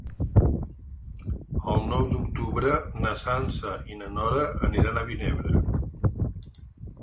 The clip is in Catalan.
El nou d'octubre na Sança i na Nora aniran a Vinebre.